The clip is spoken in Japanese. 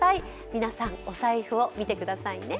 皆さん、お財布を見てくださいね。